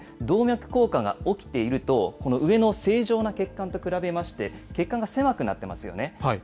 動脈硬化が起きていると、この上の正常な血管と比べまして、血管が狭くなってますよね。